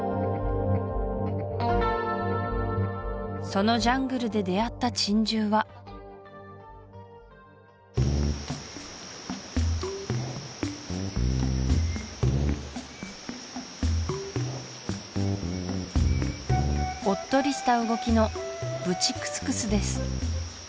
そのジャングルで出会った珍獣はおっとりした動きのブチクスクスです